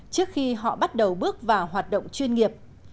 trước khi họ bắt đầu bước vào hoạt động chuyên nghiệp